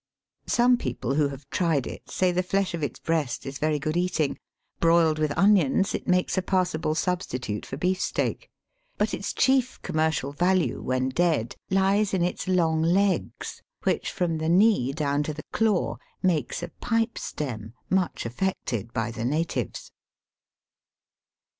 Some people who have tried it say the flesh of its breast is very good eating. Broiled with onions, it makes a passable substitute for beef ^ steak. But its chief commercial value when dead, lies in its long legs, which from the knee down to the claw make a pipe stem much affected by the natives.